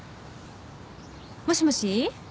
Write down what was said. もしもし。